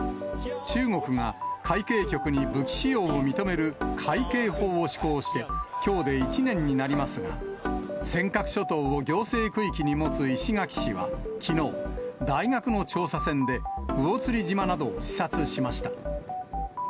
中国が海警局に武器使用を認める海警法を施行して、きょうで１年になりますが、尖閣諸島を行政区域に持つ石垣市はきのう、大学の調査船で魚釣島などを視察しました。